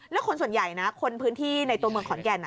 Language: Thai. แล้วคนส่วนใหญ่นะคนพื้นที่ในตัวเมืองขอนแก่น